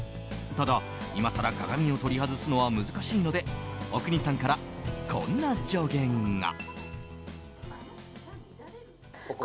ただ、いまさら鏡を取り外すのは難しいので阿国さんから、こんな助言が。